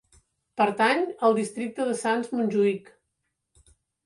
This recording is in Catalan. Pertany al Districte de Sants-Montjuïc.